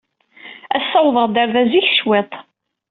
Ass-a, wwḍeɣ-d ɣer da zik cwiṭ.